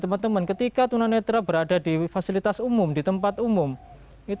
hal pun terbawah bagaimana hubungan antara penyandang disabilitas mereka bagi jaringan tersebut